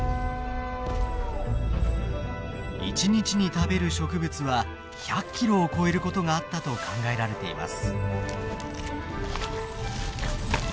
一日に食べる植物は１００キロを超えることがあったと考えられています。